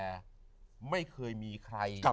สวัสดีครับ